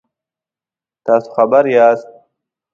تاسو خبر یاست؟